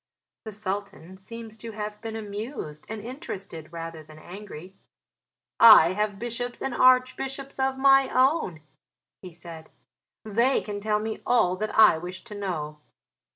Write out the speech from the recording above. The Sultan seems to have been amused and interested rather than angry. "I have bishops and archbishops of my own," he said, "they can tell me all that I wish to know."